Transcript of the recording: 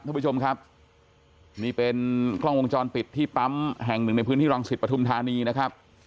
ท่านผู้ชมครับนี่เป็นกล้องวงจรปิดที่ปั๊มแห่งหนึ่งในพื้นที่รังสิตปฐุมธานีนะครับ